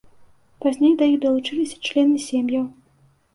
Пазней да іх далучыліся члены сем'яў.